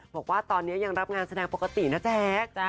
บอกว่าตอนนี้ยังรับงานแสดงปกตินะแจ๊ค